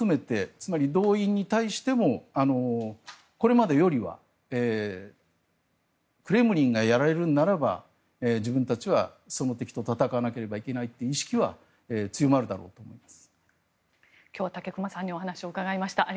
つまり、動員に対してもこれまでよりはクレムリンがやられるんならば自分たちはその敵と戦わなければいけないという意識は強まるだろうと思います。